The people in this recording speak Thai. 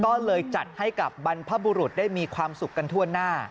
ก็เลยจัดให้กับบรรพบุรุษได้มีความสุขกันทั่วหน้า